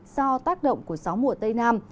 do tác động của gió mùa tây nam